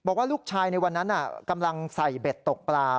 บอกว่าลูกชายในวันนั้นกำลังใส่เบ็ดตกปลา